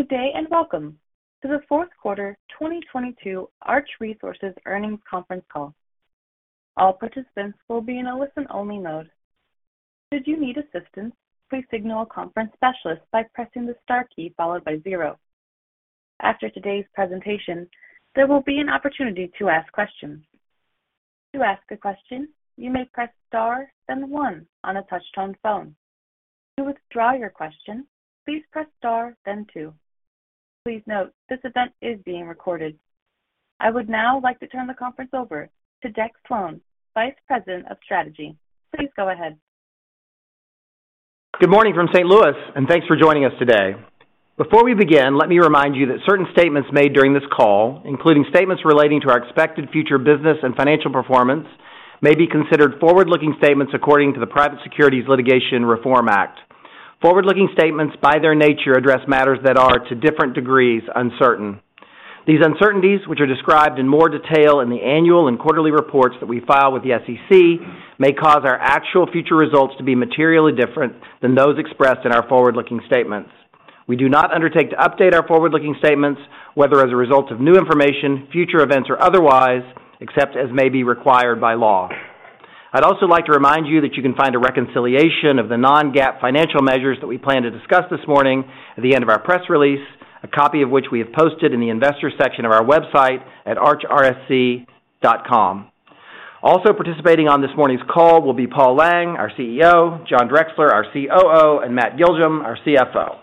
Good day, and welcome to the Q4 2022 Arch Resources Earnings Conference Call. All participants will be in a listen-only mode. Should you need assistance, please signal a conference specialist by pressing the star key followed by zero. After today's presentation, there will be an opportunity to ask questions. To ask a question, you may press Star, then one on a touch-tone phone. To withdraw your question, please press Star, then two. Please note, this event is being recorded. I would now like to turn the conference over to Deck Slone, VP of Strategy. Please go ahead. Good morning from St. Louis, and thanks for joining us today. Before we begin, let me remind you that certain statements made during this call, including statements relating to our expected future business and financial performance, may be considered forward-looking statements according to the Private Securities Litigation Reform Act of 1995. Forward-looking statements, by their nature, address matters that are, to different degrees, uncertain. These uncertainties, which are described in more detail in the annual and quarterly reports that we file with the SEC, may cause our actual future results to be materially different than those expressed in our forward-looking statements. We do not undertake to update our forward-looking statements, whether as a result of new information, future events, or otherwise, except as may be required by law. I'd also like to remind you that you can find a reconciliation of the non-GAAP financial measures that we plan to discuss this morning at the end of our press release, a copy of which we have posted in the investors section of our website at archrsc.com. Also participating on this morning's call will be Paul Lang, our CEO, John Drexler, our COO, and Matt Giljum, our CFO.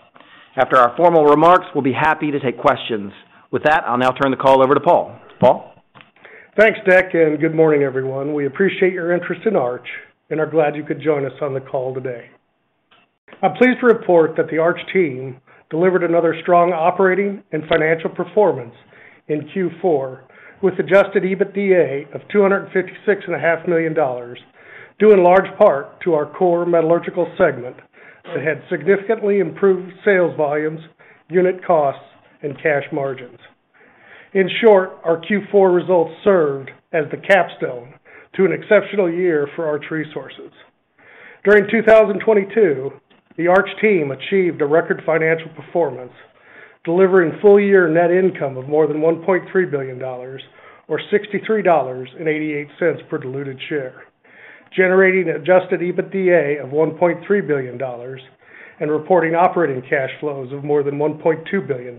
After our formal remarks, we'll be happy to take questions. With that, I'll now turn the call over to Paul. Paul? Thanks, Dex. Good morning, everyone. We appreciate your interest in Arch and are glad you could join us on the call today. I'm pleased to report that the Arch team delivered another strong operating and financial performance in Q4 with adjusted EBITDA of $256 and a half million dollars, due in large part to our core metallurgical segment that had significantly improved sales volumes, unit costs, and cash margins. In short, our Q4 results served as the capstone to an exceptional year for Arch Resources. During 2022, the Arch team achieved a record financial performance, delivering full-year net income of more than $1.3 billion or $63.88 per diluted share, generating adjusted EBITDA of $1.3 billion and reporting operating cash flows of more than $1.2 billion.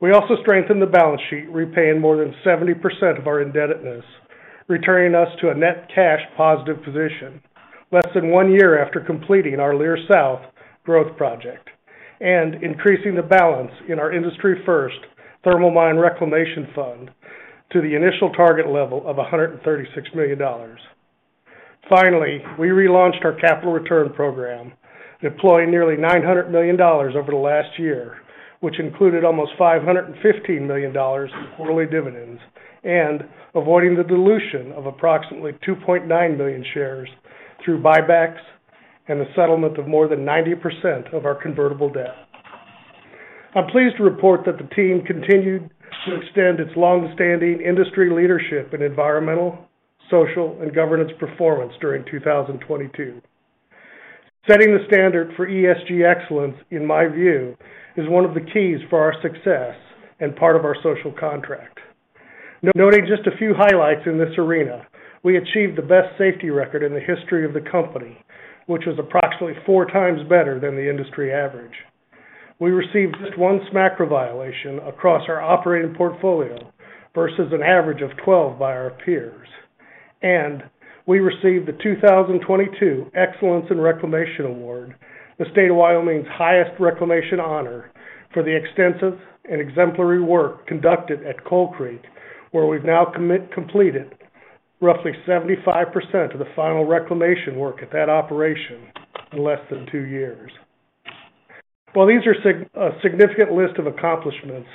We also strengthened the balance sheet, repaying more than 70% of our indebtedness, returning us to a net cash positive position less than 1 year after completing our Leer South growth project and increasing the balance in our industry-first Thermal Mine Reclamation Fund to the initial target level of $136 million. We relaunched our capital return program, deploying nearly $900 million over the last year, which included almost $515 million in quarterly dividends and avoiding the dilution of approximately 2.9 million shares through buybacks and the settlement of more than 90% of our convertible debt. I'm pleased to report that the team continued to extend its long-standing industry leadership in environmental, social, and governance performance during 2022. Setting the standard for ESG excellence, in my view, is one of the keys for our success and part of our social contract. Noting just a few highlights in this arena, we achieved the best safety record in the history of the company, which was approximately 4× better than the industry average. We received just one SMCRA violation across our operating portfolio versus an average of 12 by our peers. We received the 2022 Excellence in Reclamation award, the State of Wyoming's highest reclamation honor for the extensive and exemplary work conducted at Coal Creek, where we've now completed roughly 75% of the final reclamation work at that operation in less than two years. While these are a significant list of accomplishments,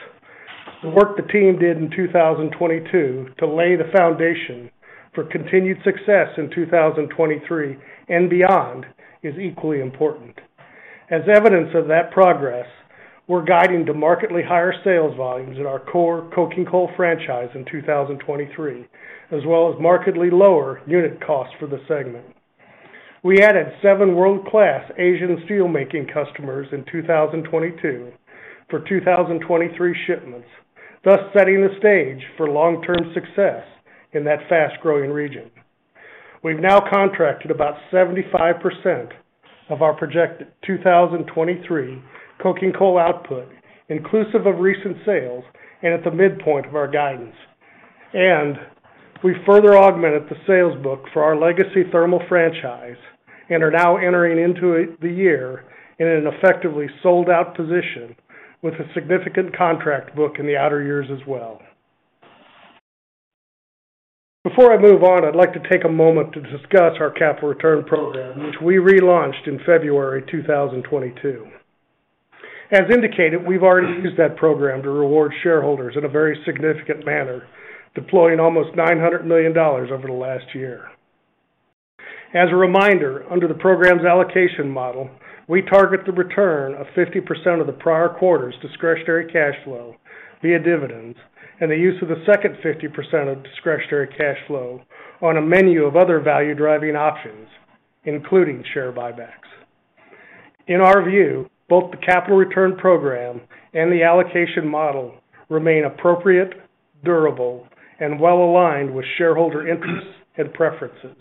the work the team did in 2022 to lay the foundation for continued success in 2023 and beyond is equally important. As evidence of that progress, we're guiding to markedly higher sales volumes in our core coking coal franchise in 2023, as well as markedly lower unit costs for the segment. We added seven world-class Asian steelmaking customers in 2022 for 2023 shipments, thus setting the stage for long-term success in that fast-growing region. We've now contracted about 75% of our projected 2023 coking coal output, inclusive of recent sales and at the midpoint of our guidance. We further augmented the sales book for our legacy thermal franchise and are now entering into the year in an effectively sold-out position with a significant contract book in the outer years as well. Before I move on, I'd like to take a moment to discuss our capital return program, which we relaunched in February 2022. As indicated, we've already used that program to reward shareholders in a very significant manner, deploying almost $900 million over the last year. As a reminder, under the program's allocation model, we target the return of 50% of the prior quarter's discretionary cash flow via dividends and the use of the second 50% of discretionary cash flow on a menu of other value-driving options. Including share buybacks. In our view, both the capital return program and the allocation model remain appropriate, durable, well-aligned with shareholder interests and preferences.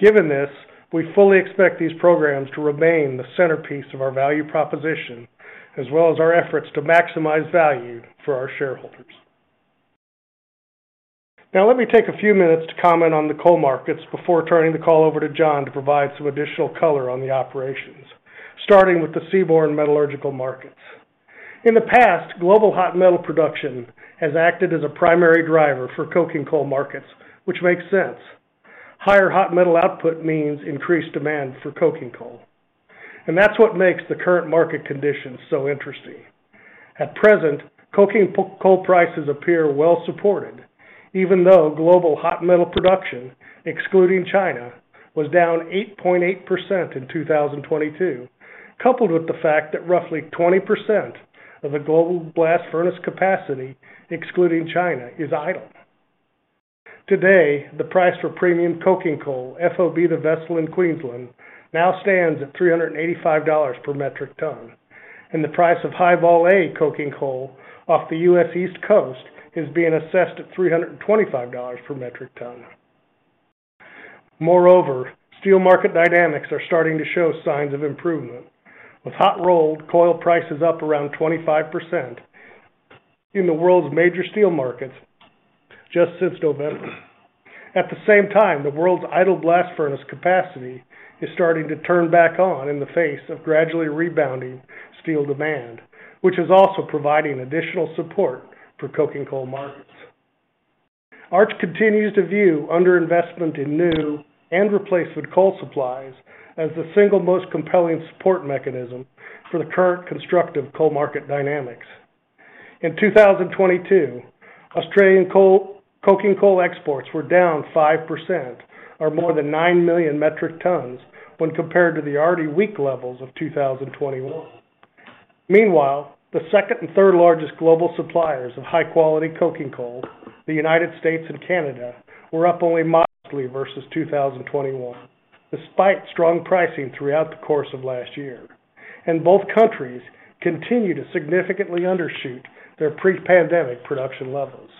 Given this, we fully expect these programs to remain the centerpiece of our value proposition, as well as our efforts to maximize value for our shareholders. Now let me take a few minutes to comment on the coal markets before turning the call over to John to provide some additional color on the operations, starting with the seaborne metallurgical markets. In the past, global hot metal production has acted as a primary driver for coking coal markets, which makes sense. Higher hot metal output means increased demand for coking coal, and that's what makes the current market conditions so interesting. At present, coking coal prices appear well supported even though global hot metal production, excluding China, was down 8.8% in 2022, coupled with the fact that roughly 20% of the global blast furnace capacity, excluding China, is idle. Today, the price for premium coking coal FOB to vessel in Queensland now stands at $385 per metric ton, and the price of High Vol A coking coal off the US East Coast is being assessed at $325 per metric ton. Steel market dynamics are starting to show signs of improvement, with hot-rolled coil prices up around 25% in the world's major steel markets just since November. At the same time, the world's idle blast furnace capacity is starting to turn back on in the face of gradually rebounding steel demand, which is also providing additional support for coking coal markets. Arch continues to view under-investment in new and replacement coal supplies as the single most compelling support mechanism for the current constructive coal market dynamics. In 2022, Australian coking coal exports were down 5% or more than 9 million metric tons when compared to the already weak levels of 2021. Meanwhile, the second and third-largest global suppliers of high-quality coking coal, the United States and Canada, were up only modestly versus 2021, despite strong pricing throughout the course of last year. Both countries continue to significantly undershoot their pre-pandemic production levels.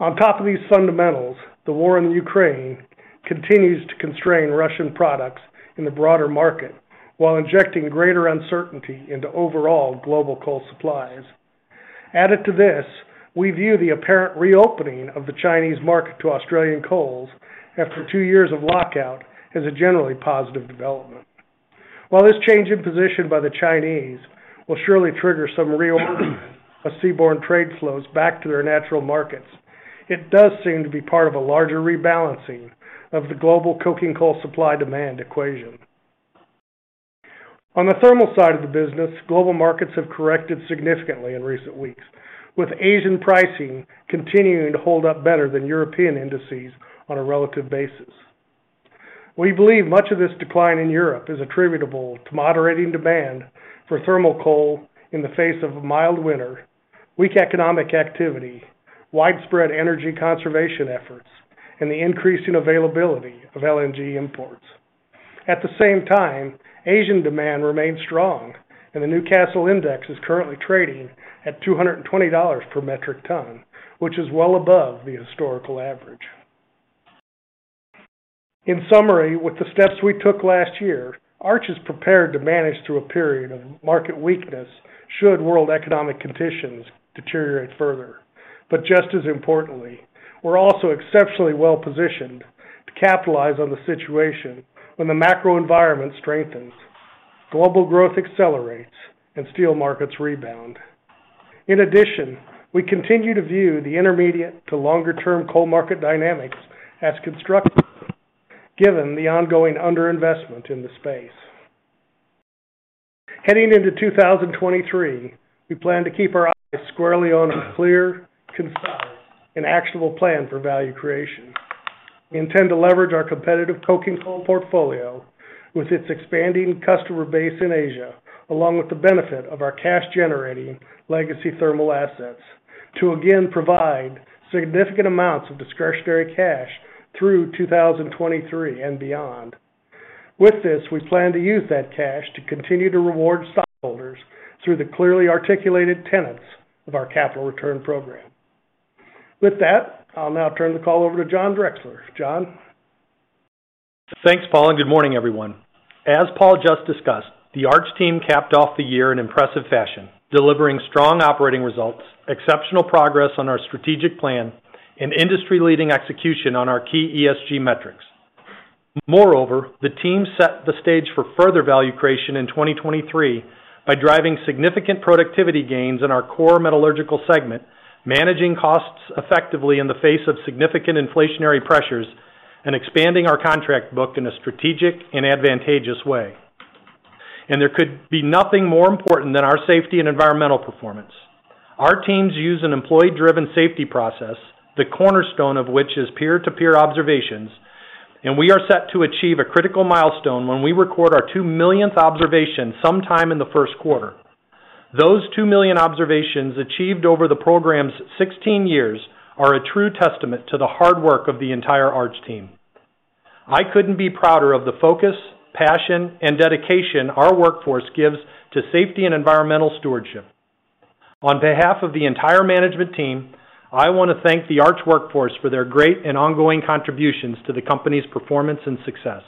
On top of these fundamentals, the war in Ukraine continues to constrain Russian products in the broader market while injecting greater uncertainty into overall global coal supplies. Added to this, we view the apparent reopening of the Chinese market to Australian coals after two years of lockout as a generally positive development. While this change in position by the Chinese will surely trigger some reorientation of seaborne trade flows back to their natural markets, it does seem to be part of a larger rebalancing of the global coking coal supply-demand equation. On the thermal side of the business, global markets have corrected significantly in recent weeks, with Asian pricing continuing to hold up better than European indices on a relative basis. We believe much of this decline in Europe is attributable to moderating demand for thermal coal in the face of a mild winter, weak economic activity, widespread energy conservation efforts, and the increasing availability of LNG imports. At the same time, Asian demand remains strong, and the Newcastle Index is currently trading at $220 per metric ton, which is well above the historical average. In summary, with the steps we took last year, Arch is prepared to manage through a period of market weakness should world economic conditions deteriorate further. Just as importantly, we're also exceptionally well-positioned to capitalize on the situation when the macro environment strengthens, global growth accelerates, and steel markets rebound. We continue to view the intermediate to longer-term coal market dynamics as constructive given the ongoing underinvestment in the space. Heading into 2023, we plan to keep our eyes squarely on a clear, concise, and actionable plan for value creation. We intend to leverage our competitive coking coal portfolio with its expanding customer base in Asia, along with the benefit of our cash-generating legacy thermal assets, to again provide significant amounts of discretionary cash through 2023 and beyond. With this, we plan to use that cash to continue to reward stockholders through the clearly articulated tenets of our capital return program. With that, I'll now turn the call over to John Drexler. John? Thanks, Paul. Good morning, everyone. As Paul just discussed, the Arch team capped off the year in impressive fashion, delivering strong operating results, exceptional progress on our strategic plan, and industry-leading execution on our key ESG metrics. Moreover, the team set the stage for further value creation in 2023 by driving significant productivity gains in our core metallurgical segment, managing costs effectively in the face of significant inflationary pressures, and expanding our contract book in a strategic and advantageous way. There could be nothing more important than our safety and environmental performance. Our teams use an employee-driven safety process, the cornerstone of which is peer-to-peer observations, and we are set to achieve a critical milestone when we record our 2 millionth observation sometime in the Q1. Those 2 million observations achieved over the program's 16 years are a true testament to the hard work of the entire Arch team. I couldn't be prouder of the focus, passion, and dedication our workforce gives to safety and environmental stewardship. On behalf of the entire management team, I wanna thank the Arch workforce for their great and ongoing contributions to the company's performance and success.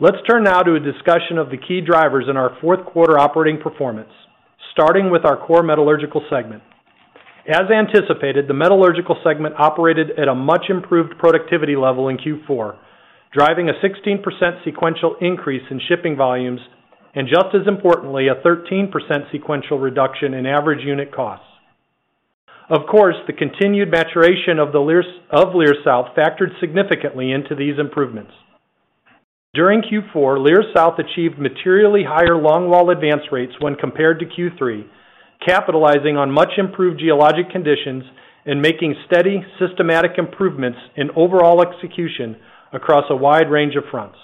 Let's turn now to a discussion of the key drivers in our Q4 operating performance, starting with our core metallurgical segment. As anticipated, the metallurgical segment operated at a much improved productivity level in Q4, driving a 16% sequential increase in shipping volumes. Just as importantly, a 13% sequential reduction in average unit costs. Of course, the continued maturation of Leer South factored significantly into these improvements. During Q4, Leer South achieved materially higher long wall advance rates when compared to Q3, capitalizing on much improved geologic conditions and making steady, systematic improvements in overall execution across a wide range of fronts.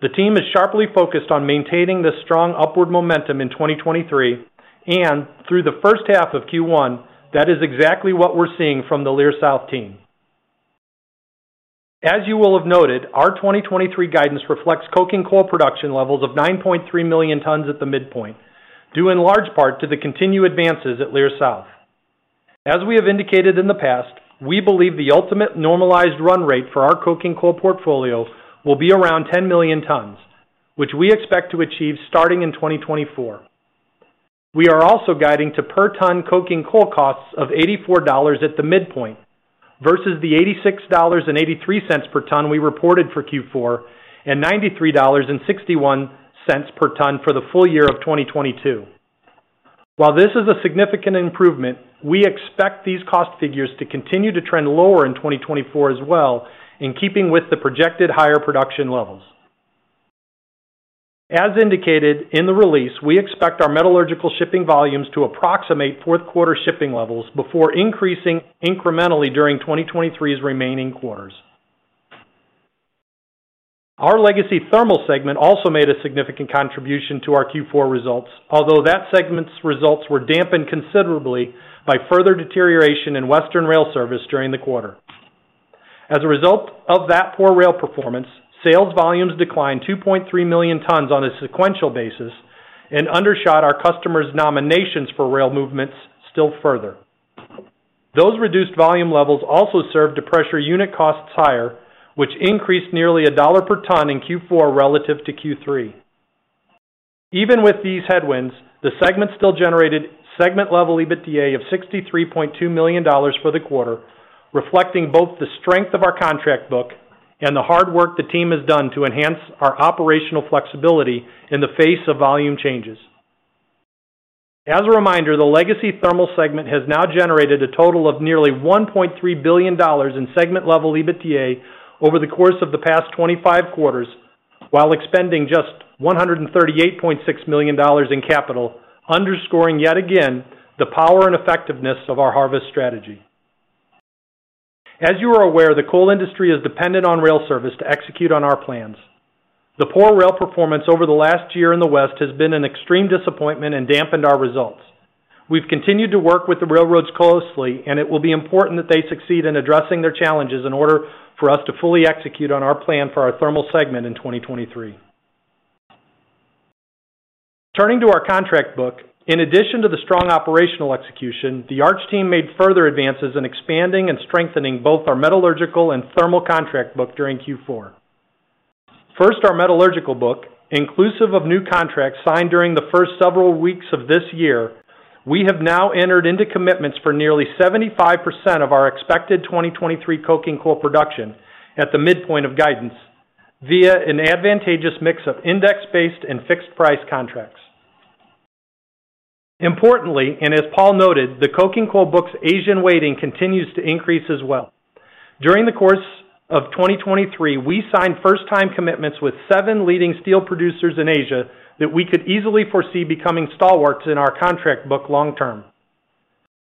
The team is sharply focused on maintaining the strong upward momentum in 2023. Through the first half of Q1, that is exactly what we're seeing from the Leer South team. As you will have noted, our 2023 guidance reflects coking coal production levels of 9.3 million tons at the midpoint, due in large part to the continued advances at Leer South. As we have indicated in the past, we believe the ultimate normalized run rate for our coking coal portfolio will be around 10 million tons, which we expect to achieve starting in 2024. We are also guiding to per ton coking coal costs of $84 at the midpoint versus the $86.83 per ton we reported for Q4, and $93.61 per ton for the full year of 2022. While this is a significant improvement, we expect these cost figures to continue to trend lower in 2024 as well in keeping with the projected higher production levels. As indicated in the release, we expect our metallurgical shipping volumes to approximate fourth quarter shipping levels before increasing incrementally during 2023's remaining quarters. Our legacy thermal segment also made a significant contribution to our Q4 results, although that segment's results were dampened considerably by further deterioration in Western Rail service during the quarter. As a result of that poor rail performance, sales volumes declined 2.3 million tons on a sequential basis and undershot our customers' nominations for rail movements still further. Those reduced volume levels also served to pressure unit costs higher, which increased nearly $1 per ton in Q4 relative to Q3. Even with these headwinds, the segment still generated segment-level EBITDA of $63.2 million for the quarter, reflecting both the strength of our contract book and the hard work the team has done to enhance our operational flexibility in the face of volume changes. As a reminder, the legacy thermal segment has now generated a total of nearly $1.3 billion in segment-level EBITDA over the course of the past 25 quarters while expending just $138.6 million in capital, underscoring yet again the power and effectiveness of our harvest strategy. As you are aware, the coal industry is dependent on rail service to execute on our plans. The poor rail performance over the last year in the West has been an extreme disappointment and dampened our results. We've continued to work with the railroads closely, it will be important that they succeed in addressing their challenges in order for us to fully execute on our plan for our thermal segment in 2023. Turning to our contract book. In addition to the strong operational execution, the Arch team made further advances in expanding and strengthening both our metallurgical and thermal contract book during Q4. First, our metallurgical book, inclusive of new contracts signed during the first several weeks of this year, we have now entered into commitments for nearly 75% of our expected 2023 coking coal production at the midpoint of guidance via an advantageous mix of index-based and fixed-price contracts. Importantly, as Paul noted, the coking coal book's Asian weighting continues to increase as well. During the course of 2023, we signed first-time commitments with seven leading steel producers in Asia that we could easily foresee becoming stalwarts in our contract book long term.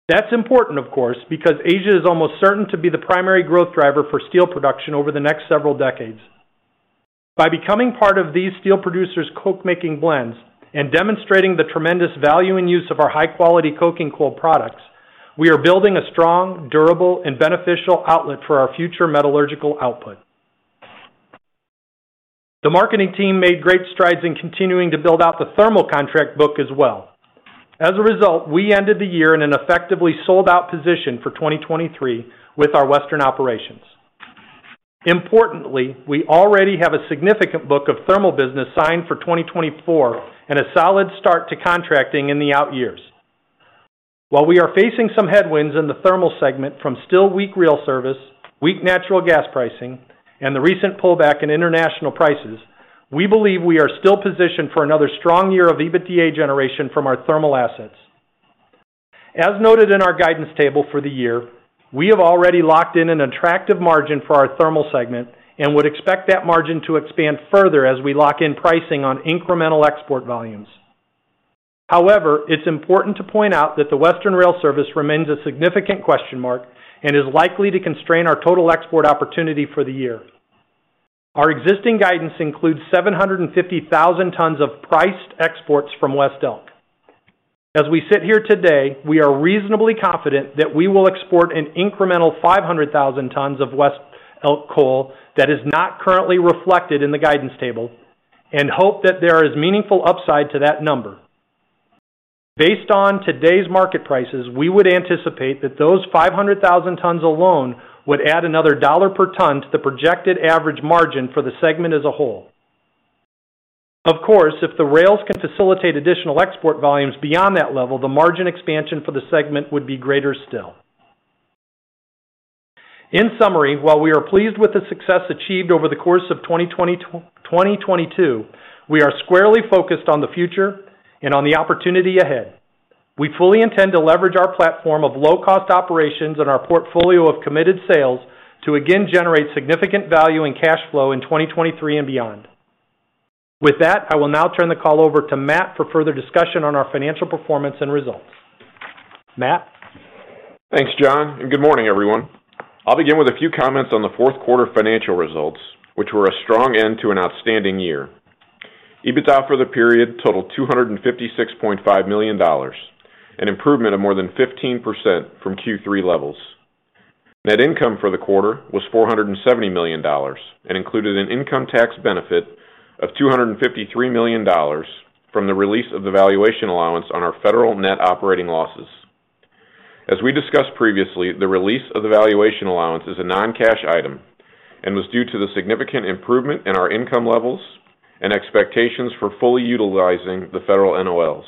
That's important, of course, because Asia is almost certain to be the primary growth driver for steel production over the next several decades. By becoming part of these steel producers' coke making blends and demonstrating the tremendous value and use of our high-quality coking coal products, we are building a strong, durable, and beneficial outlet for our future metallurgical output. The marketing team made great strides in continuing to build out the thermal contract book as well. As a result, we ended the year in an effectively sold-out position for 2023 with our Western operations. Importantly, we already have a significant book of thermal business signed for 2024 and a solid start to contracting in the out years. While we are facing some headwinds in the thermal segment from still weak rail service, weak natural gas pricing, and the recent pullback in international prices, we believe we are still positioned for another strong year of EBITDA generation from our thermal assets. As noted in our guidance table for the year, we have already locked in an attractive margin for our thermal segment and would expect that margin to expand further as we lock in pricing on incremental export volumes. It's important to point out that the Western Rail service remains a significant question mark and is likely to constrain our total export opportunity for the year. Our existing guidance includes 750,000 tons of priced exports from West Elk. As we sit here today, we are reasonably confident that we will export an incremental 500,000 tons of West Elk coal that is not currently reflected in the guidance table and hope that there is meaningful upside to that number. Based on today's market prices, we would anticipate that those 500,000 tons alone would add another $1 per ton to the projected average margin for the segment as a whole. If the rails can facilitate additional export volumes beyond that level, the margin expansion for the segment would be greater still. While we are pleased with the success achieved over the course of 2022, we are squarely focused on the future and on the opportunity ahead. We fully intend to leverage our platform of low-cost operations and our portfolio of committed sales to again generate significant value and cash flow in 2023 and beyond. With that, I will now turn the call over to Matt for further discussion on our financial performance and results. Matt? Thanks, John. Good morning, everyone. I'll begin with a few comments on the fourth quarter financial results, which were a strong end to an outstanding year. EBITDA for the period totaled $256.5 million, an improvement of more than 15% from Q3 levels. Net income for the quarter was $470 million and included an income tax benefit of $253 million from the release of the valuation allowance on our federal net operating losses. As we discussed previously, the release of the valuation allowance is a non-cash item and was due to the significant improvement in our income levels and expectations for fully utilizing the federal NOLs.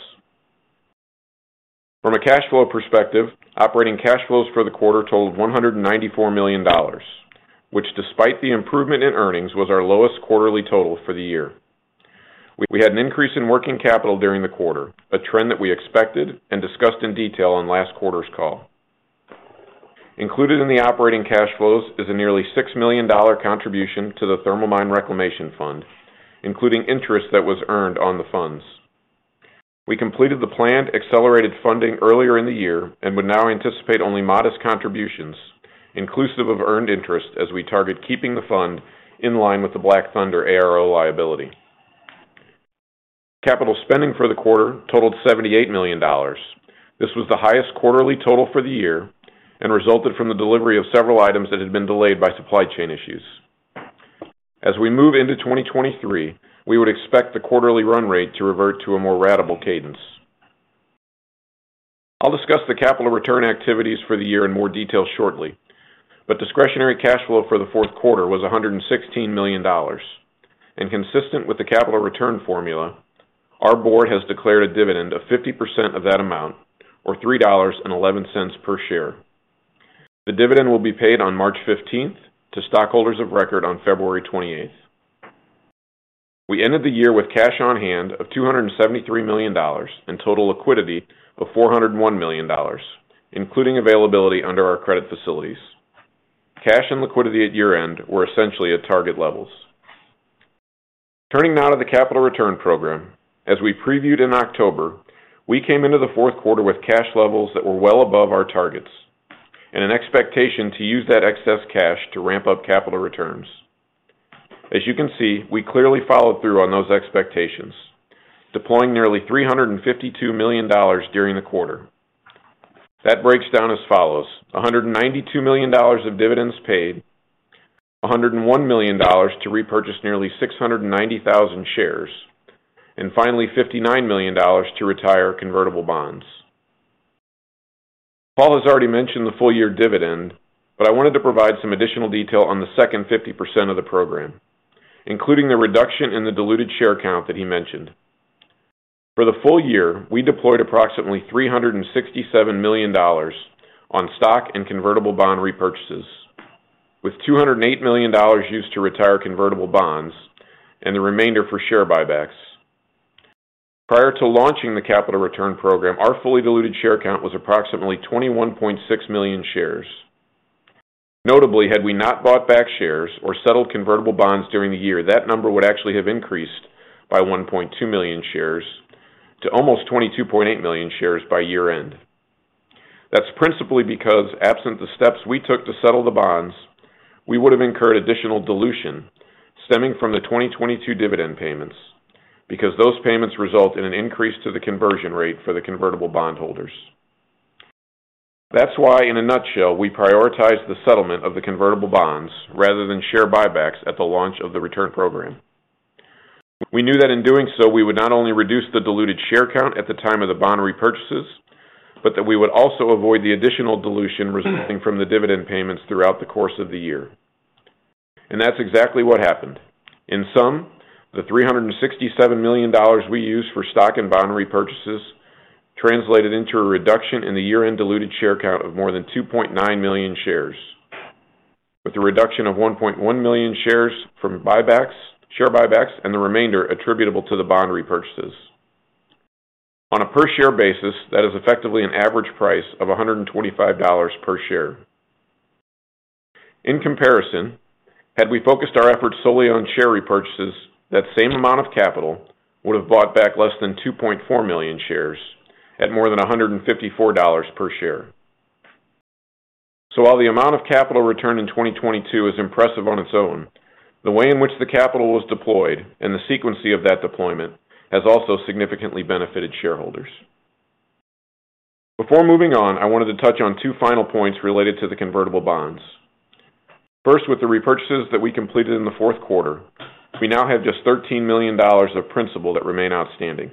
From a cash flow perspective, operating cash flows for the quarter totaled $194 million, which, despite the improvement in earnings, was our lowest quarterly total for the year. We had an increase in working capital during the quarter, a trend that we expected and discussed in detail on last quarter's call. Included in the operating cash flows is a nearly $6 million contribution to the Thermal Mine Reclamation Fund, including interest that was earned on the funds. We completed the planned accelerated funding earlier in the year and would now anticipate only modest contributions inclusive of earned interest as we target keeping the fund in line with the Black Thunder ARO liability. Capital spending for the quarter totaled $78 million. This was the highest quarterly total for the year and resulted from the delivery of several items that had been delayed by supply chain issues. As we move into 2023, we would expect the quarterly run rate to revert to a more ratable cadence. I'll discuss the capital return activities for the year in more detail shortly, discretionary cash flow for the fourth quarter was $116 million. Consistent with the capital return formula, our board has declared a dividend of 50% of that amount or $3.11 per share. The dividend will be paid on March 15th to stockholders of record on February 28th. We ended the year with cash on hand of $273 million and total liquidity of $401 million, including availability under our credit facilities. Cash and liquidity at year-end were essentially at target levels. Turning now to the capital return program. As we previewed in October, we came into the Q4 with cash levels that were well above our targets and an expectation to use that excess cash to ramp up capital returns. As you can see, we clearly followed through on those expectations, deploying nearly $352 million during the quarter. That breaks down as follows: $192 million of dividends paid, $101 million to repurchase nearly 690,000 shares. Finally, $59 million to retire convertible bonds. Paul has already mentioned the full year dividend. I wanted to provide some additional detail on the second 50 of the program, including the reduction in the diluted share count that he mentioned. For the full year, we deployed approximately $367 million on stock and convertible bond repurchases, with $208 million used to retire convertible bonds and the remainder for share buybacks. Prior to launching the capital return program, our fully diluted share count was approximately 21.6 million shares. Notably, had we not bought back shares or settled convertible bonds during the year, that number would actually have increased by 1.2 million shares to almost 22.8 million shares by year-end. That's principally because, absent the steps we took to settle the bonds, we would have incurred additional dilution stemming from the 2022 dividend payments, because those payments result in an increase to the conversion rate for the convertible bondholders. That's why, in a nutshell, we prioritize the settlement of the convertible bonds rather than share buybacks at the launch of the return program. We knew that in doing so, we would not only reduce the diluted share count at the time of the bond repurchases, but that we would also avoid the additional dilution resulting from the dividend payments throughout the course of the year. That's exactly what happened. In sum, the $367 million we used for stock and bond repurchases translated into a reduction in the year-end diluted share count of more than 2.9 million shares, with a reduction of 1.1 million shares from share buybacks and the remainder attributable to the bond repurchases. On a per share basis, that is effectively an average price of $125 per share. In comparison, had we focused our efforts solely on share repurchases, that same amount of capital would have bought back less than 2.4 million shares at more than $154 per share. While the amount of capital returned in 2022 is impressive on its own, the way in which the capital was deployed and the sequence of that deployment has also significantly benefited shareholders. Before moving on, I wanted to touch on two final points related to the convertible bonds. First, with the repurchases that we completed in the fourth quarter, we now have just $13 million of principal that remain outstanding.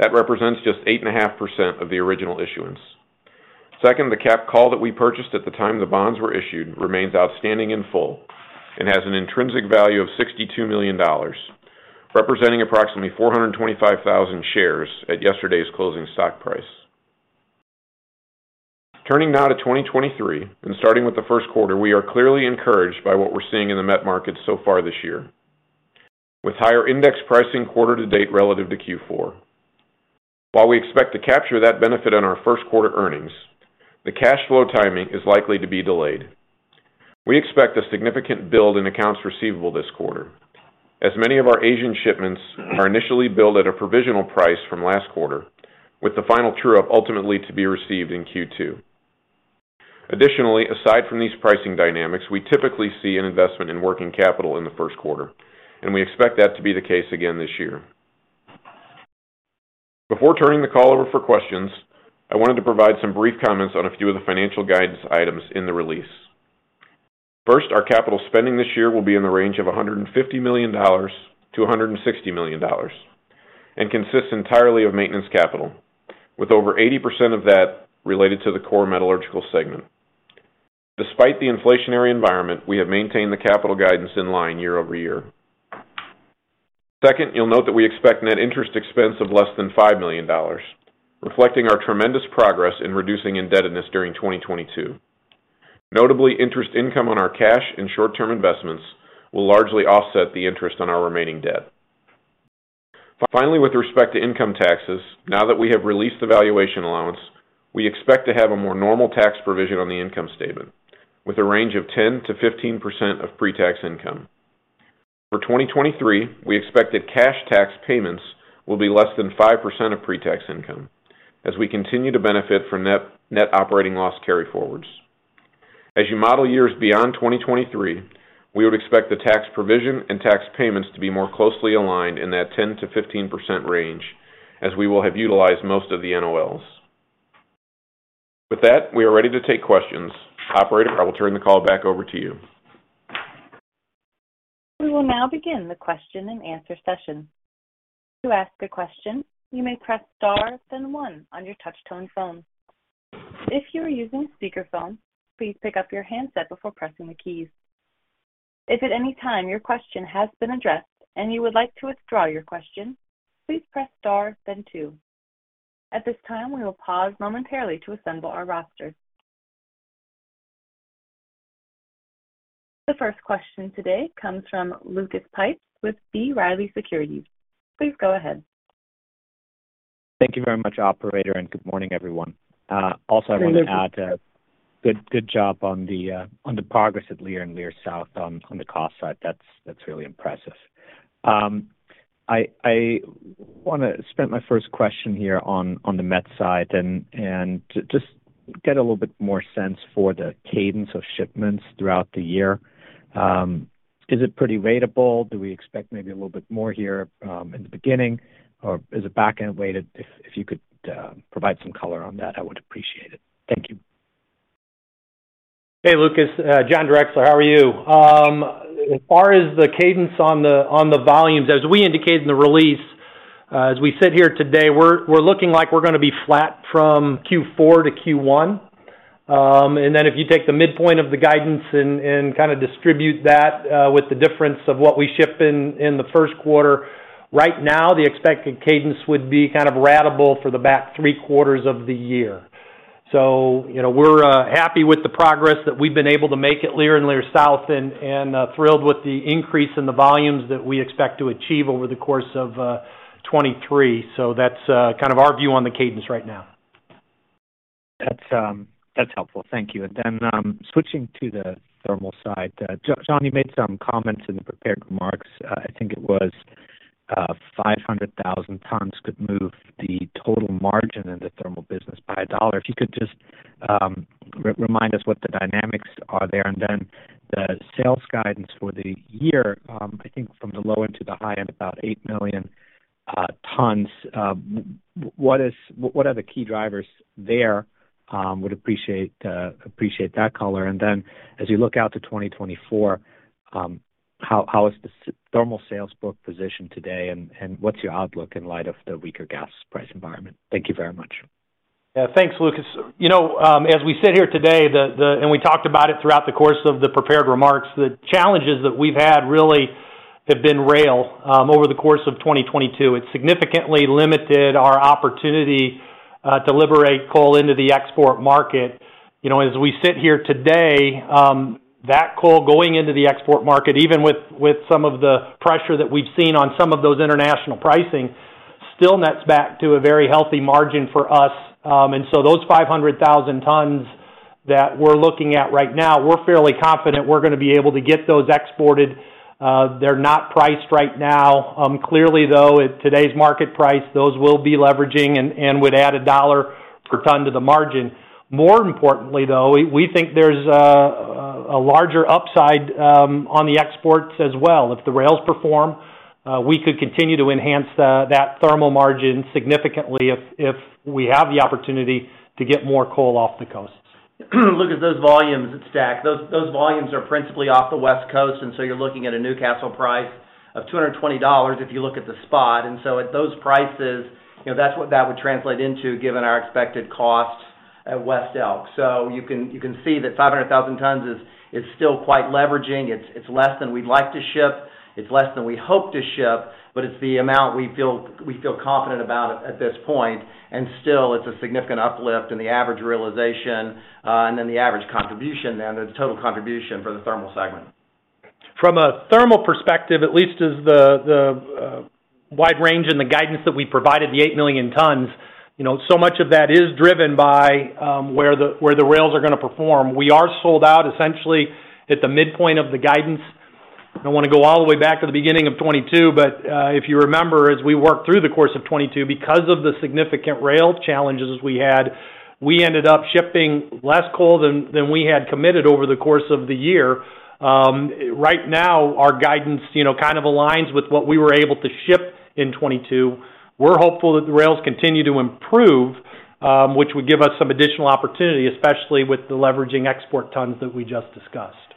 That represents just 8.5% of the original issuance. The capped call that we purchased at the time the bonds were issued remains outstanding in full and has an intrinsic value of $62 million, representing approximately 425,000 shares at yesterday's closing stock price. Turning now to 2023 and starting with the Q1, we are clearly encouraged by what we're seeing in the met market so far this year. With higher index pricing quarter to date relative to Q4. While we expect to capture that benefit in our first quarter earnings, the cash flow timing is likely to be delayed. We expect a significant build in accounts receivable this quarter, as many of our Asian shipments are initially billed at a provisional price from last quarter, with the final true-up ultimately to be received in Q2. Additionally, aside from these pricing dynamics, we typically see an investment in working capital in the Q1, and we expect that to be the case again this year. Before turning the call over for questions, I wanted to provide some brief comments on a few of the financial guidance items in the release. First, our capital spending this year will be in the range of $150 million-$160 million and consists entirely of maintenance capital, with over 80% of that related to the core metallurgical segment. Despite the inflationary environment, we have maintained the capital guidance in line year-over-year. Second, you'll note that we expect net interest expense of less than $5 million, reflecting our tremendous progress in reducing indebtedness during 2022. Notably, interest income on our cash and short-term investments will largely offset the interest on our remaining debt. Finally, with respect to income taxes, now that we have released the valuation allowance, we expect to have a more normal tax provision on the income statement with a range of 10%-15% of pre-tax income. For 2023, we expect that cash tax payments will be less than 5% of pre-tax income as we continue to benefit from net operating loss carryforwards. As you model years beyond 2023, we would expect the tax provision and tax payments to be more closely aligned in that 10%-15% range as we will have utilized most of the NOLs. With that, we are ready to take questions. Operator, I will turn the call back over to you. We will now begin the question and answer session. To ask a question, you may press Star, then one on your touchtone phone. If you are using a speakerphone, please pick up your handset before pressing the keys. If at any time your question has been addressed and you would like to withdraw your question, please press Star then two. At this time, we will pause momentarily to assemble our roster. The first question today comes from Lucas Pipes with B. Riley Securities. Please go ahead. Thank you very much, operator. Good morning, everyone. Also I want to add, good job on the progress at Leer and Leer South on the cost side. That's really impressive. I wanna spend my first question here on the met side and just get a little bit more sense for the cadence of shipments throughout the year. Is it pretty ratable? Do we expect maybe a little bit more here in the beginning? Is it back-end weighted? If you could provide some color on that, I would appreciate it. Thank you. Hey, Lucas. John Drexler. How are you? As far as the cadence on the, on the volumes, as we indicated in the release, as we sit here today, we're looking like we're gonna be flat from Q4 to Q1. If you take the midpoint of the guidance and kind of distribute that with the difference of what we ship in the Q1. Right now, the expected cadence would be kind of ratable for the back three quarters of the year. You know, we're happy with the progress that we've been able to make at Leer and Leer South and thrilled with the increase in the volumes that we expect to achieve over the course of 2023. That's kind of our view on the cadence right now. That's, that's helpful. Thank you. Switching to the thermal side. John, you made some comments in the prepared remarks. I think it was 500,000 tons could move the total margin in the thermal business by a dollar. If you could just remind us what the dynamics are there. The sales guidance for the year, I think from the low end to the high end, about 8 million tons. What are the key drivers there? Would appreciate that color. As you look out to 2024, how is the thermal sales book positioned today, and what's your outlook in light of the weaker gas price environment? Thank you very much. Yeah. Thanks, Lucas. You know, as we sit here today, we talked about it throughout the course of the prepared remarks, the challenges that we've had really have been rail over the course of 2022. It significantly limited our opportunity to liberate coal into the export market. You know, as we sit here today, that coal going into the export market, even with some of the pressure that we've seen on some of those international pricing, still nets back to a very healthy margin for us. Those 500,000 tons that we're looking at right now, we're fairly confident we're gonna be able to get those exported. They're not priced right now. Clearly though, at today's market price, those will be leveraging and would add $1 per ton to the margin. More importantly, though, we think there's a larger upside on the exports as well. If the rails perform, we could continue to enhance that thermal margin significantly if we have the opportunity to get more coal off the coasts. Look at those volumes at stack. Those volumes are principally off the West Coast, you're looking at a Newcastle price of $220 if you look at the spot. At those prices, you know, that's what that would translate into given our expected costs at West Elk. You can see that 500,000 tons is still quite leveraging. It's less than we'd like to ship. It's less than we hope to ship, but it's the amount we feel confident about it at this point. Still, it's a significant uplift in the average realization, and then the average contribution, the total contribution for the thermal segment. From a thermal perspective, at least as the wide range and the guidance that we provided, the 8 million tons, you know, so much of that is driven by where the rails are gonna perform. We are sold out essentially at the midpoint of the guidance. I don't wanna go all the way back to the beginning of 2022. If you remember, as we worked through the course of 2022, because of the significant rail challenges we had, we ended up shipping less coal than we had committed over the course of the year. Right now, our guidance, you know, kind of aligns with what we were able to ship in 2022. We're hopeful that the rails continue to improve, which would give us some additional opportunity, especially with the leveraging export tons that we just discussed.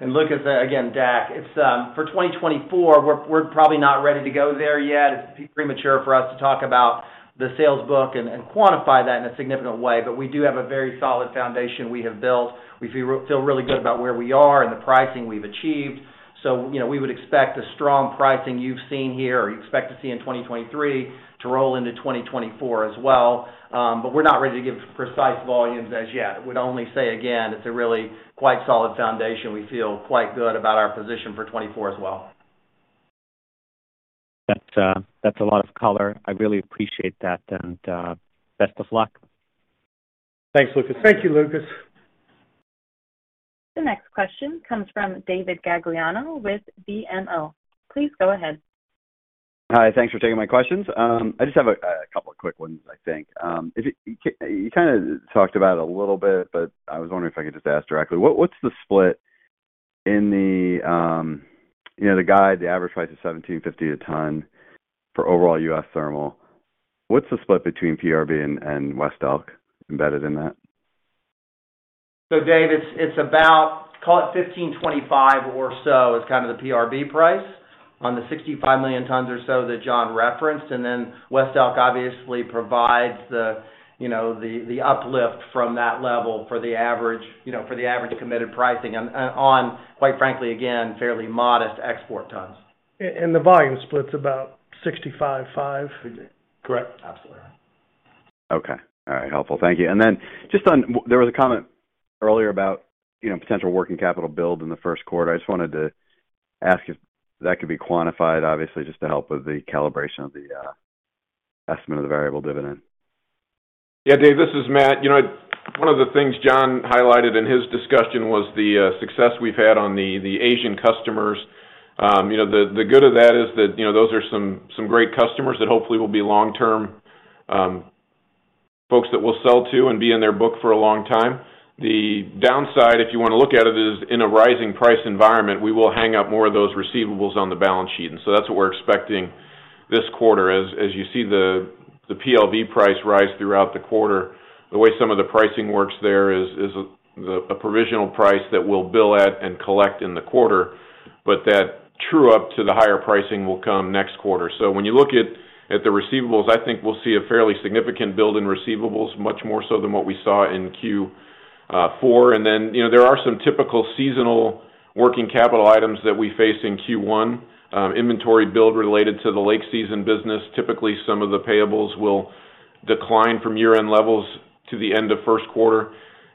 Look at that again, Dak. It's for 2024, we're probably not ready to go there yet. It's premature for us to talk about the sales book and quantify that in a significant way. We do have a very solid foundation we have built. We feel really good about where we are and the pricing we've achieved. You know, we would expect the strong pricing you've seen here or you expect to see in 2023 to roll into 2024 as well. We're not ready to give precise volumes as yet. Would only say, again, it's a really quite solid foundation. We feel quite good about our position for 2024 as well. That's a lot of color. I really appreciate that, and, best of luck. Thanks, Lucas. Thank you, Lucas. The next question comes from David Gagliano with BMO. Please go ahead. Hi. Thanks for taking my questions. I just have a couple of quick ones, I think. If you kinda talked about it a little bit, but I was wondering if I could just ask directly. What's the split in the, you know, the guide, the average price is $1,750 a ton for overall U.S. thermal. What's the split between PRB and West Elk embedded in that? David, it's about, call it $15.25 or so is kind of the PRB price on the 65 million tons or so that John referenced. West Elk obviously provides the, you know, the uplift from that level for the average, you know, committed pricing on, quite frankly, again, fairly modest export tons. The volume split's about 65/5. Correct. Absolutely. Okay. All right. Helpful. Thank you. There was a comment earlier about, you know, potential working capital build in the Q1. I just wanted to ask if that could be quantified, obviously, just to help with the calibration of the estimate of the variable dividend. Yeah. Dave, this is Matt. You know, one of the things John highlighted in his discussion was the success we've had on the Asian customers. You know, the good of that is that, you know, those are some great customers that hopefully will be long-term folks that we'll sell to and be in their book for a long time. The downside, if you wanna look at it, is in a rising price environment, we will hang up more of those receivables on the balance sheet. That's what we're expecting this quarter. As you see the PLV price rise throughout the quarter, the way some of the pricing works there is a provisional price that we'll bill at and collect in the quarter. That true up to the higher pricing will come next quarter. When you look at the receivables, I think we'll see a fairly significant build in receivables, much more so than what we saw in Q4. You know, there are some typical seasonal working capital items that we face in Q1. Inventory build related to the lake season business. Typically, some of the payables will decline from year-end levels to the end of Q1.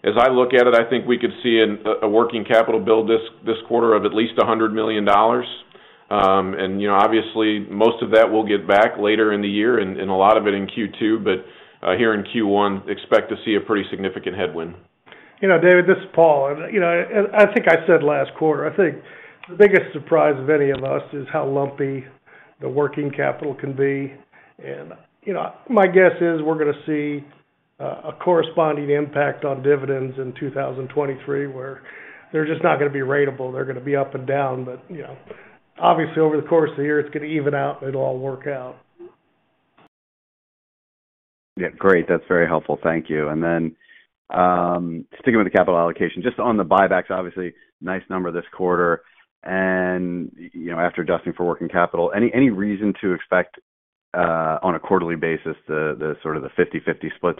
As I look at it, I think we could see a working capital build this quarter of at least $100 million. You know, obviously, most of that we'll get back later in the year and a lot of it in Q2. Here in Q1, expect to see a pretty significant headwind. You know, David, this is Paul. You know, and I think I said last quarter, I think the biggest surprise of any of us is how lumpy the working capital can be. You know, my guess is we're gonna see a corresponding impact on dividends in 2023, where they're just not gonna be ratable. They're gonna be up and down. You know, obviously over the course of the year, it's gonna even out. It'll all work out. Yeah. Great. That's very helpful. Thank you. Sticking with the capital allocation, just on the buybacks, obviously nice number this quarter. You know, after adjusting for working capital, any reason to expect on a quarterly basis the sort of the 50/50 split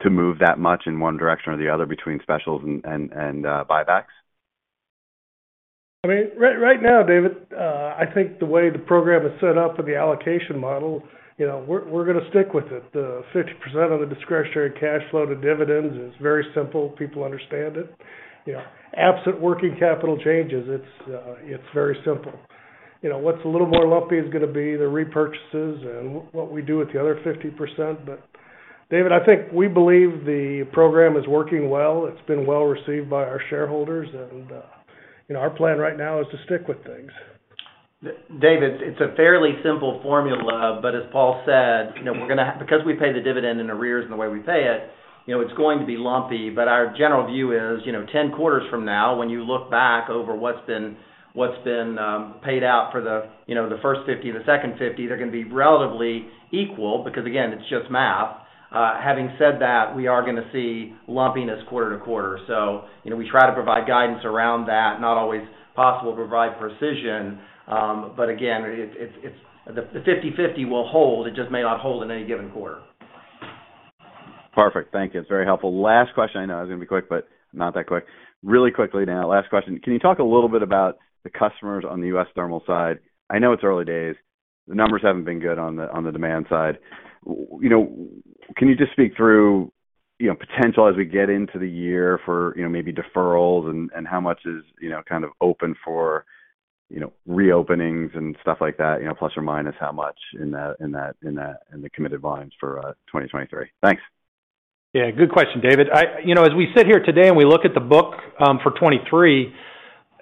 to move that much in one direction or the other between specials and buybacks? I mean, right now, David, I think the way the program is set up in the allocation model, you know, we're gonna stick with it. The 50% of the discretionary cash flow to dividends is very simple. People understand it. You know, absent working capital changes, it's very simple. You know, what's a little more lumpy is gonna be the repurchases and what we do with the other 50%. David, I think we believe the program is working well. It's been well received by our shareholders, and, you know, our plan right now is to stick with things. David, it's a fairly simple formula. As Paul said, you know, we're gonna have, because we pay the dividend in arrears and the way we pay it, you know, it's going to be lumpy. Our general view is, you know, 10 quarters from now, when you look back over what's been paid out for the, you know, the first 50 and the second 50, they're gonna be relatively equal because, again, it's just math. Having said that, we are gonna see lumpiness quarter to quarter. You know, we try to provide guidance around that, not always possible to provide precision. Again, it's the 50-50 will hold. It just may not hold in any given quarter. Perfect. Thank you. It's very helpful. Last question. I know I was gonna be quick, but not that quick. Really quickly now, last question: can you talk a little bit about the customers on the U.S. thermal side? I know it's early days. The numbers haven't been good on the demand side. You know, can you just speak through, you know, potential as we get into the year for, you know, maybe deferrals and how much is, you know, kind of open for, you know, reopenings and stuff like that, you know, plus or minus how much in the committed volumes for 2023? Thanks. Yeah. Good question, David. You know, as we sit here today and we look at the book, for 2023,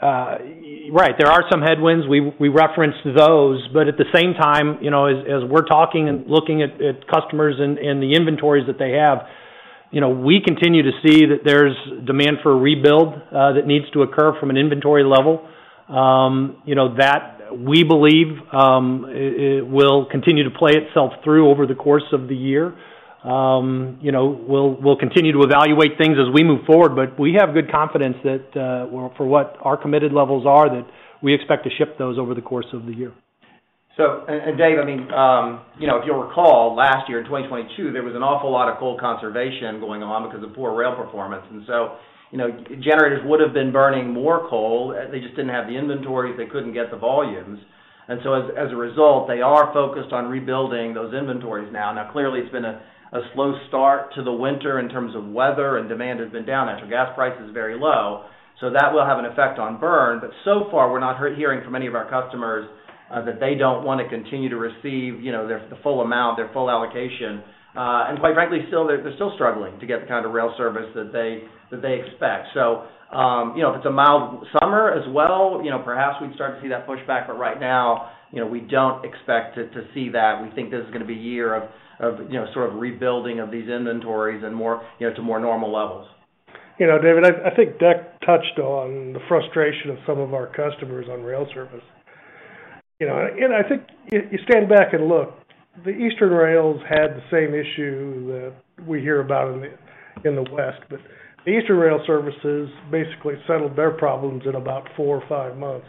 right, there are some headwinds. We referenced those. At the same time, you know, as we're talking and looking at customers and the inventories that they have, you know, we continue to see that there's demand for rebuild that needs to occur from an inventory level. You know, that, we believe, it will continue to play itself through over the course of the year. You know, we'll continue to evaluate things as we move forward, but we have good confidence that, well, for what our committed levels are, that we expect to ship those over the course of the year. And Dave, I mean, you know, if you'll recall, last year in 2022, there was an awful lot of coal conservation going on because of poor rail performance. You know, generators would have been burning more coal. They just didn't have the inventory if they couldn't get the volumes. As a result, they are focused on rebuilding those inventories now. Now, clearly, it's been a slow start to the winter in terms of weather, and demand has been down. Natural gas price is very low, so that will have an effect on burn. So far, we're not hearing from any of our customers that they don't wanna continue to receive, you know, the full amount, their full allocation. Quite frankly, they're still struggling to get the kind of rail service that they expect. You know, if it's a mild summer as well, you know, perhaps we'd start to see that pushback. Right now, you know, we don't expect to see that. We think this is gonna be a year of, you know, sort of rebuilding of these inventories and, you know, to more normal levels. You know, David, I think Deck touched on the frustration of some of our customers on rail service. You know, I think if you stand back and look, the Eastern rails had the same issue that we hear about in the West. The Eastern rail services basically settled their problems in about four or five months.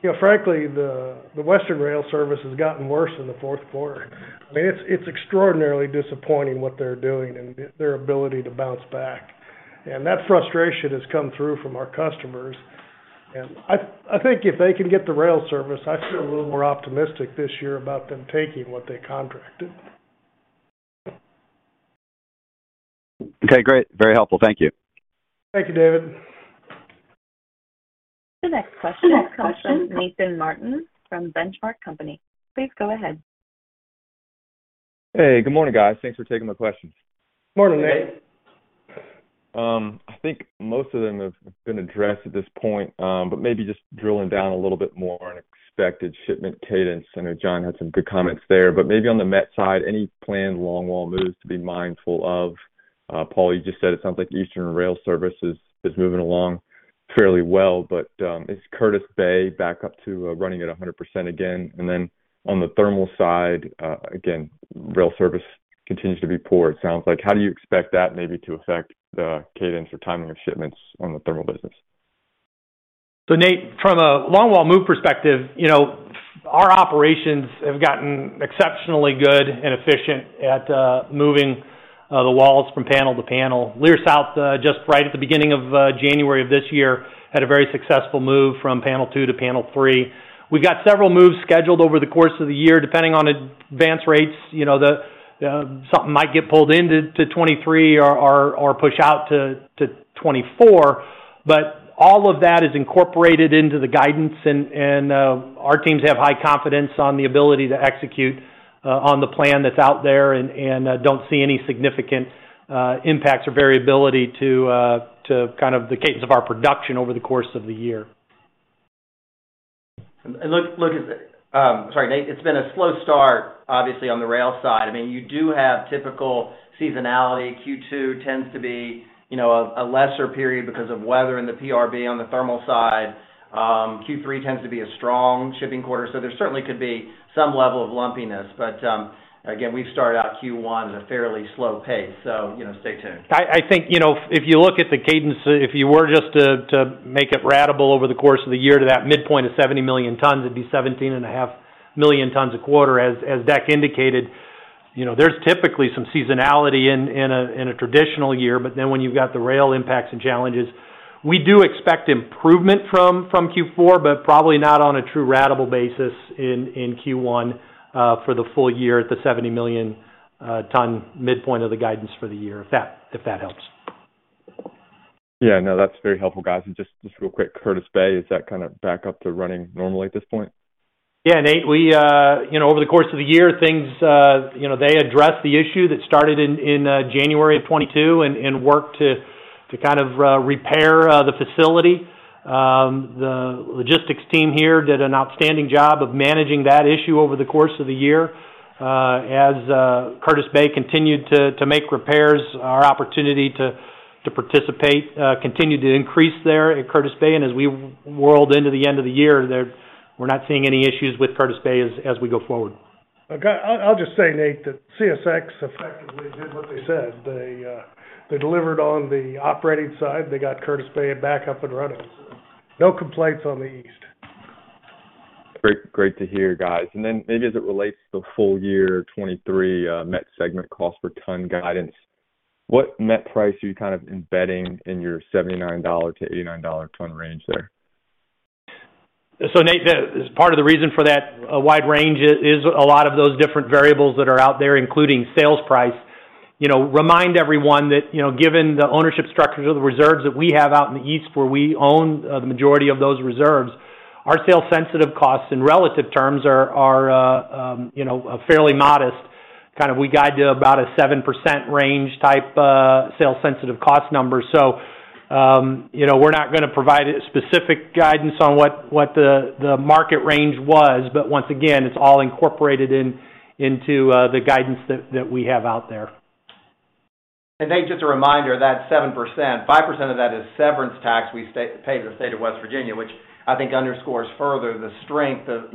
You know, frankly, the Western rail service has gotten worse in the fourth quarter. I mean, it's extraordinarily disappointing what they're doing and their ability to bounce back, and that frustration has come through from our customers. I think if they can get the rail service, I feel a little more optimistic this year about them taking what they contracted. Okay, great. Very helpful. Thank you. Thank you, David. The next question comes from Nathan Martin from Benchmark Company. Please go ahead. Hey, good morning, guys. Thanks for taking my questions. Morning, Nate. I think most of them have been addressed at this point, maybe just drilling down a little bit more on expected shipment cadence. I know John had some good comments there. Maybe on the met side, any planned long-wall moves to be mindful of? Paul, you just said it sounds like Eastern Rail service is moving along fairly well, but is Curtis Bay back up to running at 100% again? On the thermal side, again, rail service continues to be poor, it sounds like. How do you expect that maybe to affect the cadence or timing of shipments on the thermal business? Nate, from a longwall move perspective, you know, our operations have gotten exceptionally good and efficient at moving the walls from panel to panel. Leer South, just right at the beginning of January of this year, had a very successful move from panel two to panel three. We've got several moves scheduled over the course of the year, depending on advance rates. You know, something might get pulled into 2023 or push out to 2024. All of that is incorporated into the guidance and our teams have high confidence on the ability to execute on the plan that's out there and don't see any significant impacts or variability to kind of the cadence of our production over the course of the year. Look at, sorry, Nate, it's been a slow start, obviously, on the rail side. I mean, you do have typical seasonality. Q2 tends to be, you know, a lesser period because of weather and the PRB on the thermal side. Q3 tends to be a strong shipping quarter, so there certainly could be some level of lumpiness. Again, we've started out Q1 at a fairly slow pace, so, you know, stay tuned. I think, you know, if you look at the cadence, if you were just to make it ratable over the course of the year to that midpoint of 70 million tons, it'd be 17.5 million tons a quarter. As Deck indicated, you know, there's typically some seasonality in a traditional year. When you've got the rail impacts and challenges, we do expect improvement from Q4, but probably not on a true ratable basis in Q1 for the full year at the 70 million ton midpoint of the guidance for the year, if that helps. Yeah. No, that's very helpful, guys. Just real quick, Curtis Bay, is that kind of back up to running normally at this point? Yeah, Nate, we, you know, over the course of the year, things, you know, they addressed the issue that started in January of 2022 and worked to kind of, repair, the facility. The logistics team here did an outstanding job of managing that issue over the course of the year. As Curtis Bay continued to make repairs, our opportunity to participate, continued to increase there at Curtis Bay. As we whirled into the end of the year there, we're not seeing any issues with Curtis Bay as we go forward. Okay. I'll just say, Nate, that CSX effectively did what they said. They delivered on the operating side. They got Curtis Bay back up and running. No complaints on the east. Great, great to hear, guys. Then maybe as it relates to full year 2023, met segment cost per ton guidance, what met price are you kind of embedding in your $79-$89 ton range there? Nate, as part of the reason for that wide range is a lot of those different variables that are out there, including sales price. You know, remind everyone that, you know, given the ownership structures of the reserves that we have out in the east where we own the majority of those reserves, our sales sensitive costs in relative terms are, you know, fairly modest. Kind of we guide to about a 7% range type sales sensitive cost number. You know, we're not gonna provide a specific guidance on what the market range was, but once again, it's all incorporated into the guidance that we have out there. Nate, just a reminder, that 7%, 5% of that is severance tax we pay the state of West Virginia, which I think underscores further the strength of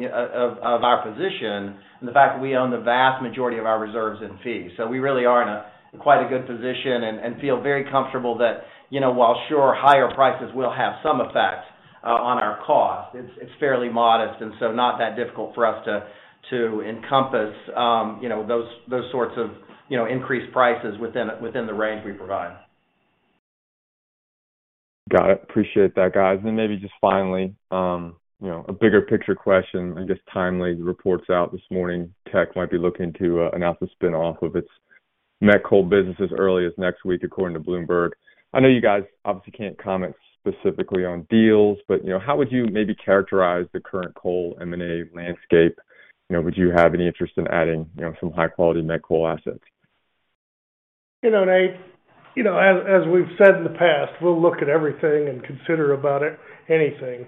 our position and the fact that we own the vast majority of our reserves in fee. We really are in a quite a good position and feel very comfortable that, you know, while sure, higher prices will have some effect on our cost, it's fairly modest, and so not that difficult for us to encompass, you know, those sorts of, you know, increased prices within the range we provide. Got it. Appreciate that, guys. Then maybe just finally, you know, a bigger picture question and just timely reports out this morning. Teck might be looking to announce a spin-off of its met coal business as early as next week, according to Bloomberg. I know you guys obviously can't comment specifically on deals, but, you know, how would you maybe characterize the current coal M&A landscape? You know, would you have any interest in adding, you know, some high-quality met coal assets? You know, Nathan Martin, you know, as we've said in the past, we'll look at everything and consider about anything.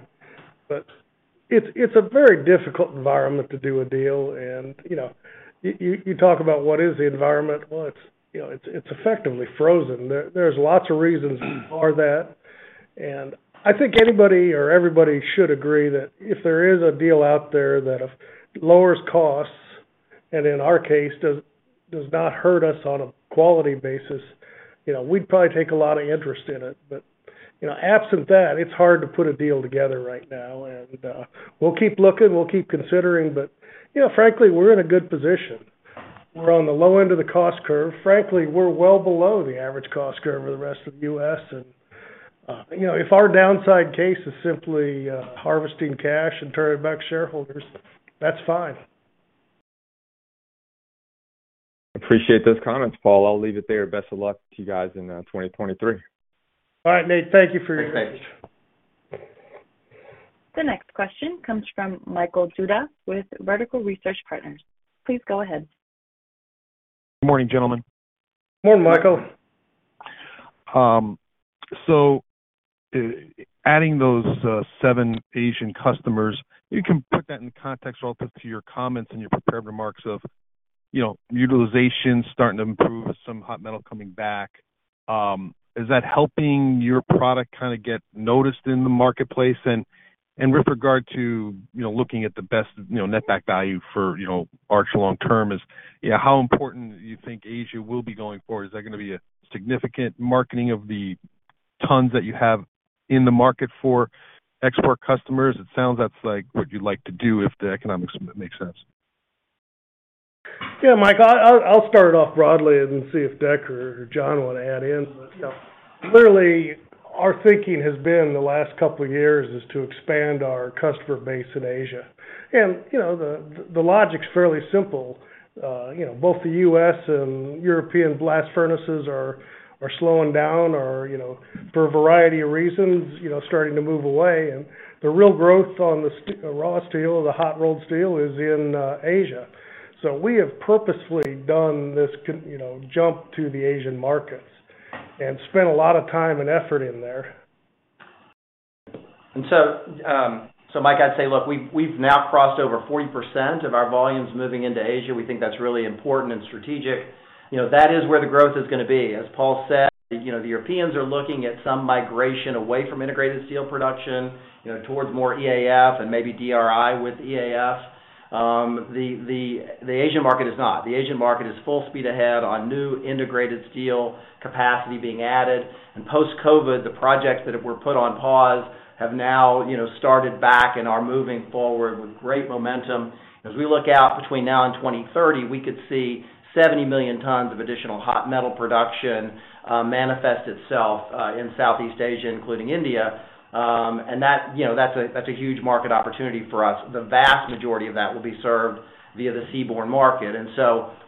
It's a very difficult environment to do a deal. You know, you talk about what is the environment? Well, it's, you know, it's effectively frozen. There's lots of reasons for that. I think anybody or everybody should agree that if there is a deal out there that lowers costs, and in our case, does not hurt us on a quality basis, you know, we'd probably take a lot of interest in it. You know, absent that, it's hard to put a deal together right now. We'll keep looking, we'll keep considering, but, you know, frankly, we're in a good position. We're on the low end of the cost curve. Frankly, we're well below the average cost curve for the rest of the U.S. You know, if our downside case is simply harvesting cash and turning back shareholders, that's fine. Appreciate those comments, Paul. I'll leave it there. Best of luck to you guys in 2023. All right, Nate. Thank you for your time. Thanks. The next question comes from Michael Dudas with Vertical Research Partners. Please go ahead. Good morning, gentlemen. Morning, Michael. Adding those seven Asian customers, you can put that in context relative to your comments and your prepared remarks of, you know, utilization starting to improve with some hot metal coming back. Is that helping your product kinda get noticed in the marketplace? In regard to, you know, looking at the best, you know, net back value for, you know, Arch long term is, you know, how important do you think Asia will be going forward? Is that gonna be a significant marketing of the tons that you have in the market for export customers? It sounds that's like what you'd like to do if the economics makes sense. Yeah, Mike, I'll start off broadly and see if Deck or John wanna add in. You know, clearly our thinking has been the last couple of years is to expand our customer base in Asia. You know, the logic's fairly simple. You know, both the U.S. and European blast furnaces are slowing down or, you know, for a variety of reasons, you know, starting to move away. The real growth on the raw steel or the hot-rolled steel is in Asia. We have purposefully done this, you know, jump to the Asian markets and spent a lot of time and effort in there. Mike, I'd say, look, we've now crossed over 40% of our volumes moving into Asia. We think that's really important and strategic. You know, that is where the growth is gonna be. As Paul said, you know, the Europeans are looking at some migration away from integrated steel production, you know, towards more EAF and maybe DRI with EAF. The Asian market is not. The Asian market is full speed ahead on new integrated steel capacity being added. Post-COVID, the projects that were put on pause have now, you know, started back and are moving forward with great momentum. As we look out between now and 2030, we could see 70 million tons of additional hot metal production manifest itself in Southeast Asia, including India. That, you know, that's a, that's a huge market opportunity for us. The vast majority of that will be served via the seaborne market.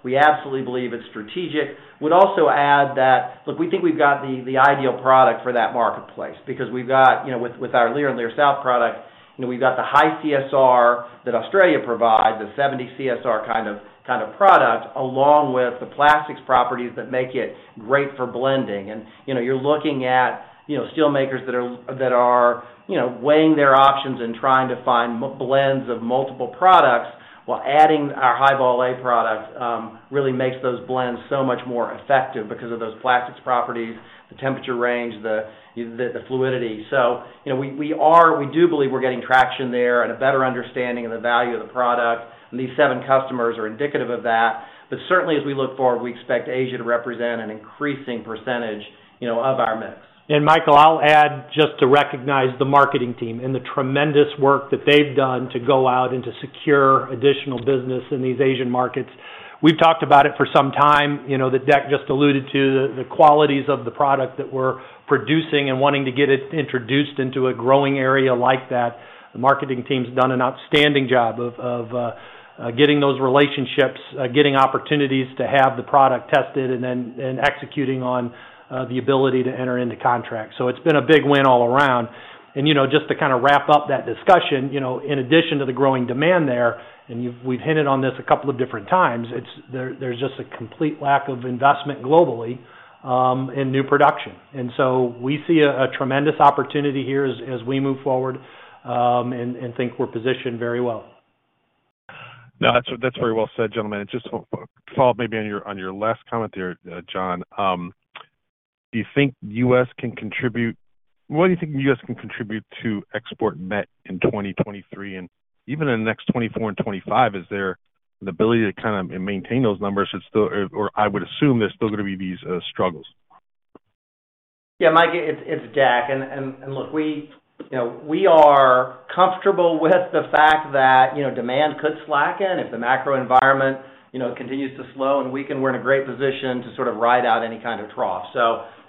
We absolutely believe it's strategic. Would also add that, look, we think we've got the ideal product for that marketplace because we've got, you know, with our Lear and Lear South product, you know, we've got the high CSR that Australia provides, the 70 CSR kind of product, along with the plastics properties that make it great for blending. You know, you're looking at, you know, steel makers that are, you know, weighing their options and trying to find blends of multiple products, while adding our High-Vol A products, really makes those blends so much more effective because of those plastics properties, the temperature range, the fluidity. you know, we do believe we're getting traction there and a better understanding of the value of the product, and these 7 customers are indicative of that. certainly, as we look forward, we expect Asia to represent an increasing percentage, you know, of our mix. Michael, I'll add just to recognize the marketing team and the tremendous work that they've done to go out and to secure additional business in these Asian markets. We've talked about it for some time. You know, that Deck just alluded to the qualities of the product that we're producing and wanting to get it introduced into a growing area like that. The marketing team's done an outstanding job of getting those relationships, getting opportunities to have the product tested and then executing on the ability to enter into contracts. It's been a big win all around. You know, just to kind of wrap up that discussion, you know, in addition to the growing demand there, and we've hinted on this a couple of different times, there's just a complete lack of investment globally in new production. We see a tremendous opportunity here as we move forward, and think we're positioned very well. No, that's very well said, gentlemen. Just to follow up maybe on your last comment there, John. What do you think U.S. can contribute to export met in 2023? Even in the next 2024 and 2025, is there the ability to kind of maintain those numbers is still? I would assume there's still gonna be these struggles. Yeah, Mike, it's Deck. Look, we, you know, we are comfortable with the fact that, you know, demand could slacken if the macro environment, you know, continues to slow and weaken. We're in a great position to sort of ride out any kind of trough.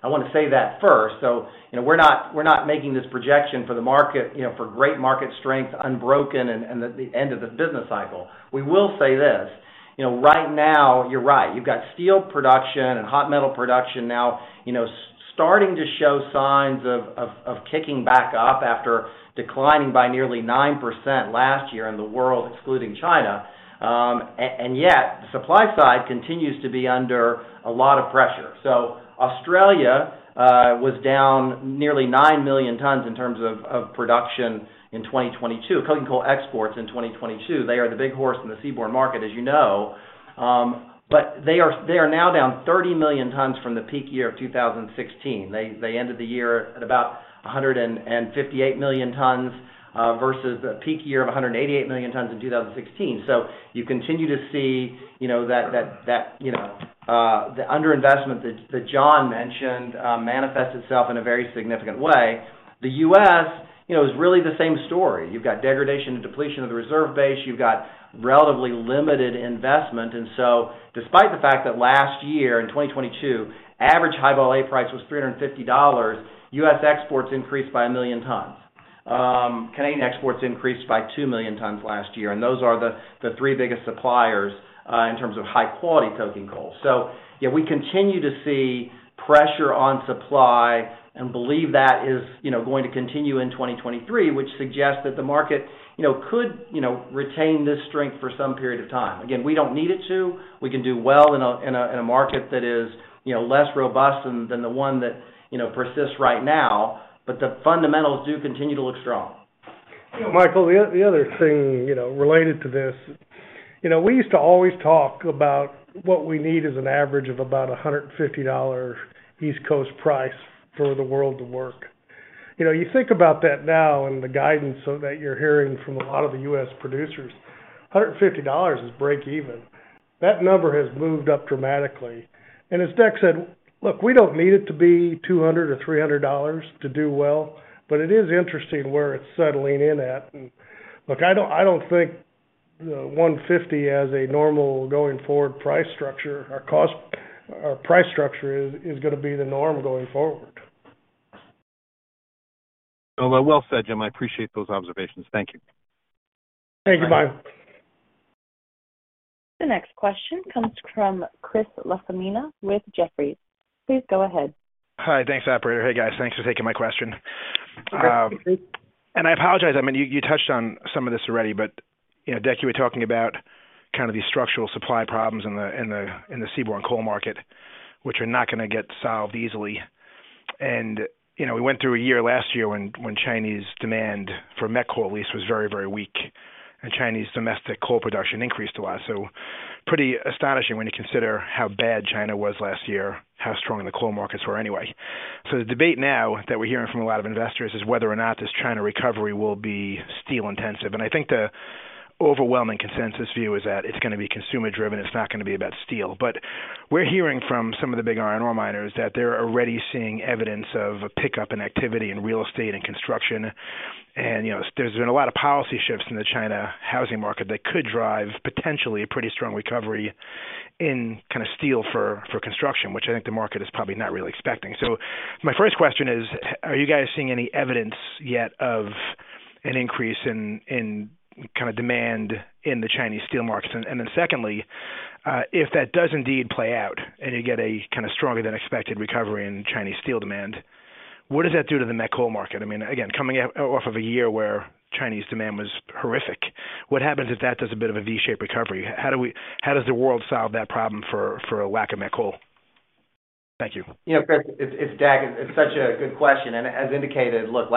I wanna say that first. You know, we're not making this projection for the market, you know, for great market strength unbroken and at the end of the business cycle. We will say this, you know, right now, you're right. You've got steel production and hot metal production now, you know, starting to show signs of kicking back up after declining by nearly 9% last year in the world, excluding China. Yet, the supply side continues to be under a lot of pressure. Australia was down nearly 9 million tons in terms of production in 2022, coking coal exports in 2022. They are the big horse in the seaborne market, as you know. They are now down 30 million tons from the peak year of 2016. They ended the year at about 158 million tons versus a peak year of 188 million tons in 2016. You continue to see, you know, that, you know, the underinvestment that John mentioned manifests itself in a very significant way. The U.S., you know, is really the same story. You've got degradation and depletion of the reserve base. You've got relatively limited investment. Despite the fact that last year, in 2022, average High-Vol A price was $350, U.S. exports increased by 1 million tons. Canadian exports increased by 2 million tons last year, and those are the three biggest suppliers, in terms of high-quality coking coal. Yeah, we continue to see pressure on supply and believe that is, you know, going to continue in 2023, which suggests that the market, you know, could, you know, retain this strength for some period of time. Again, we don't need it to. We can do well in a market that is, you know, less robust than the one that, you know, persists right now, the fundamentals do continue to look strong. Michael, the other thing, you know, related to this. You know, we used to always talk about what we need is an average of about a $150 East Coast price for the world to work. You know, you think about that now and the guidance so that you're hearing from a lot of the U.S. producers, $150 is break even. That number has moved up dramatically. As Deck said, "Look, we don't need it to be $200 or $300 to do well," but it is interesting where it's settling in at. Look, I don't, I don't think, you know, $150 as a normal going forward price structure or cost or price structure is gonna be the norm going forward. Well said, Jim. I appreciate those observations. Thank you. Thank you, bye. The next question comes from Christopher LaFemina with Jefferies. Please go ahead. Hi. Thanks, operator. Hey, guys. Thanks for taking my question. I apologize. I mean, you touched on some of this already, but, you know, Deck, you were talking about kind of these structural supply problems in the, in the, in the seaborne coal market, which are not gonna get solved easily. You know, we went through a year last year when Chinese demand for met coal at least was very, very weak, and Chinese domestic coal production increased a lot. Pretty astonishing when you consider how bad China was last year, how strong the coal markets were anyway. The debate now that we're hearing from a lot of investors is whether or not this China recovery will be steel-intensive. I think the overwhelming consensus view is that it's gonna be consumer-driven, it's not gonna be about steel. We're hearing from some of the big iron ore miners that they're already seeing evidence of a pickup in activity in real estate and construction. You know, there's been a lot of policy shifts in the China housing market that could drive potentially a pretty strong recovery in kinda steel for construction, which I think the market is probably not really expecting. My first question is, are you guys seeing any evidence yet of an increase in kinda demand in the Chinese steel markets? Secondly, if that does indeed play out, and you get a kinda stronger than expected recovery in Chinese steel demand, what does that do to the met coal market? I mean, again, coming off of a year where Chinese demand was horrific, what happens if that does a bit of a V-shaped recovery? How does the world solve that problem for a lack of met coal? Thank you. You know, Chris, it's Dak, it's such a good question. As indicated, look,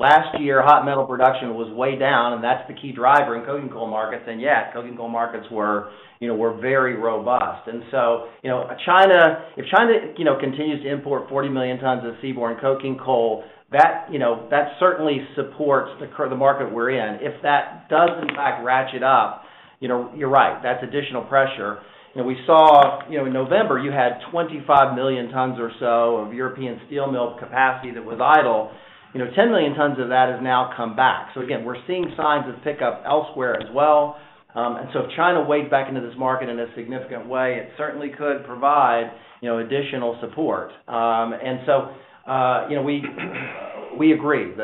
last year, hot metal production was way down, and that's the key driver in coking coal markets. Yeah, coking coal markets were, you know, very robust. You know, China, if China, you know, continues to import 40 million tons of seaborne coking coal, that, you know, that certainly supports the market we're in. If that does in fact ratchet up, you know, you're right, that's additional pressure. You know, we saw, you know, in November, you had 25 million tons or so of European steel mill capacity that was idle. You know, 10 million tons of that has now come back. Again, we're seeing signs of pickup elsewhere as well. If China weighed back into this market in a significant way, it certainly could provide, you know, additional support. You know, we agree.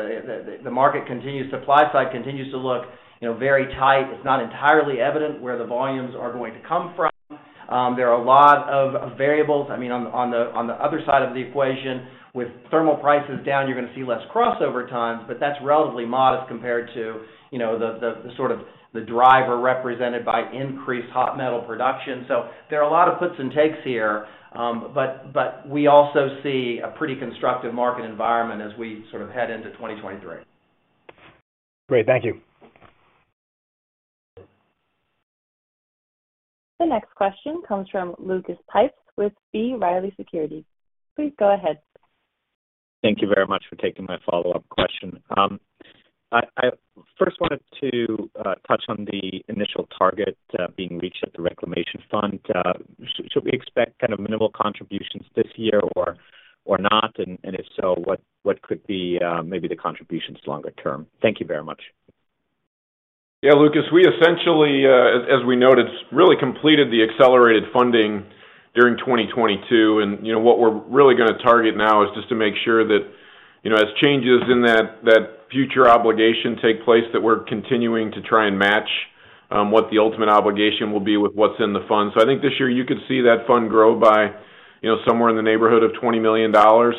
Supply side continues to look, you know, very tight. It's not entirely evident where the volumes are going to come from. There are a lot of variables. I mean, on the other side of the equation, with thermal prices down, you're gonna see less crossover tons, but that's relatively modest compared to, you know, the sort of the driver represented by increased hot metal production. There are a lot of puts and takes here, but we also see a pretty constructive market environment as we sort of head into 2023. Great. Thank you. The next question comes from Lucas Pipes with B. Riley Securities. Please go ahead. Thank you very much for taking my follow-up question. I first wanted to touch on the initial target being reached at the reclamation fund. Shall we expect kind of minimal contributions this year or not? If so, what could be, maybe the contributions longer term? Thank you very much. Lucas, we essentially, as we noted, really completed the accelerated funding during 2022. You know, what we're really gonna target now is just to make sure that, you know, as changes in that future obligation take place, that we're continuing to try and match what the ultimate obligation will be with what's in the fund. I think this year you could see that fund grow by, you know, somewhere in the neighborhood of $20 million.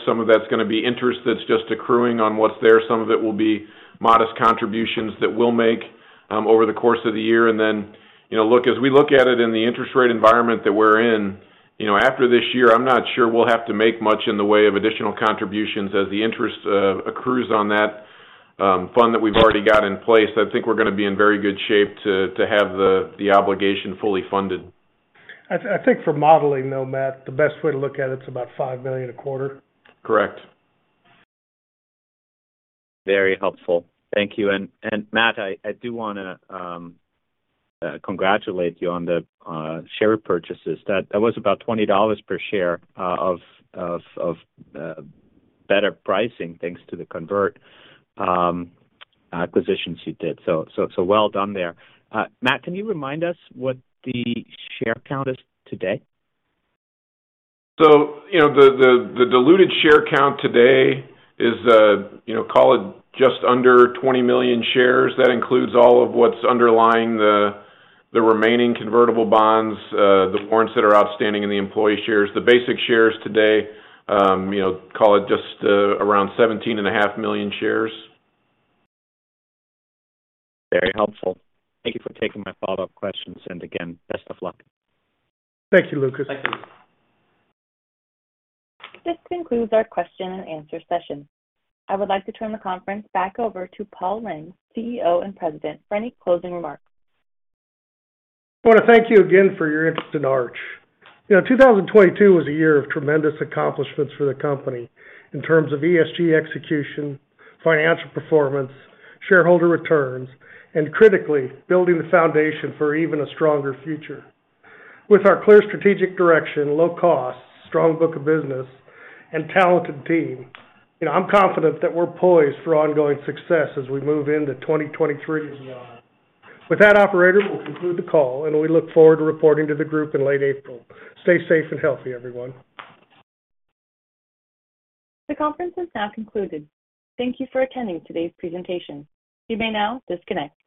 Some of that's gonna be interest that's just accruing on what's there. Some of it will be modest contributions that we'll make over the course of the year. You know, look, as we look at it in the interest rate environment that we're in, you know, after this year, I'm not sure we'll have to make much in the way of additional contributions as the interest accrues on that fund that we've already got in place. I think we're gonna be in very good shape to have the obligation fully funded. I think for modeling, though, Matt, the best way to look at it's about $5 million a quarter. Correct. Very helpful. Thank you. Matt, I do wanna congratulate you on the share purchases. That was about $20 per share of better pricing, thanks to the convert acquisitions you did. Well done there. Matt, can you remind us what the share count is today? you know, the, the diluted share count today is, you know, call it just under 20 million shares. That includes all of what's underlying the remaining convertible bonds, the warrants that are outstanding, and the employee shares. The basic shares today, you know, call it just, around 17.5 million shares. Very helpful. Thank you for taking my follow-up questions. Again, best of luck. Thank you, Lucas. Thank you. This concludes our question and answer session. I would like to turn the conference back over to Paul Lang, CEO and President, for any closing remarks. I wanna thank you again for your interest in Arch. You know, 2022 was a year of tremendous accomplishments for the company in terms of ESG execution, financial performance, shareholder returns, and critically, building the foundation for even a stronger future. With our clear strategic direction, low costs, strong book of business, and talented team, you know, I'm confident that we're poised for ongoing success as we move into 2023 and beyond. With that, operator, we'll conclude the call, and we look forward to reporting to the group in late April. Stay safe and healthy, everyone. The conference is now concluded. Thank you for attending today's presentation. You may now disconnect.